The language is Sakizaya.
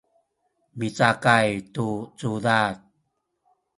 micakay tu cudad